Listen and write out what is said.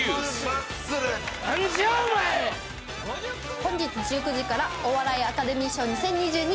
本日１９時から「お笑いアカデミー賞２０２２。